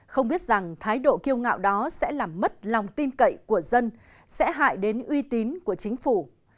không biết rằng thái độ kiêu ngạo đó sẽ làm mất lòng tin cậy của dân sẽ hại đến uy tín của chính phủ